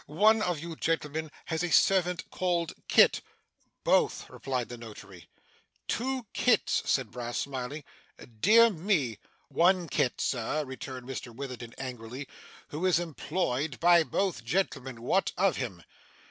One of you gentlemen has a servant called Kit?' 'Both,' replied the notary. 'Two Kits?' said Brass smiling. 'Dear me!' 'One Kit, sir,' returned Mr Witherden angrily, 'who is employed by both gentlemen. What of him?